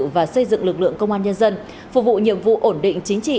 và xây dựng lực lượng công an nhân dân phục vụ nhiệm vụ ổn định chính trị